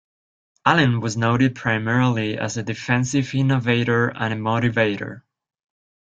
Allen was noted primarily as a defensive innovator and a motivator.